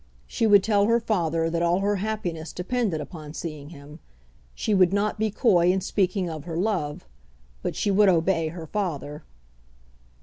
She would tell her father that all her happiness depended upon seeing him. She would not be coy in speaking of her love. But she would obey her father.